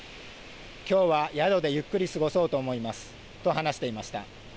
きょうは宿でゆっくり過ごそうと思いますと話していました。